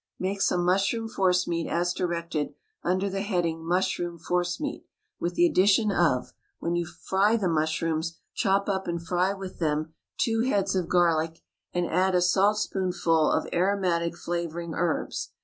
Make some mushroom force meat as directed under the heading "Mushroom Forcemeat," with the addition of, when you fry the mushrooms, chop up and fry with them two heads of garlic, and add a saltspoonful of aromatic flavouring herbs.